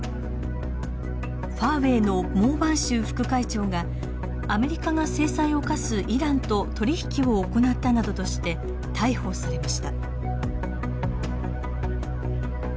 ファーウェイの孟晩舟副会長がアメリカが制裁を科すイランと取り引きを行ったなどとして逮捕されました。